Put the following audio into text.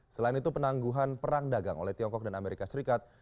selain itu penangguhan perang dagang oleh tiongkok dan amerika serikat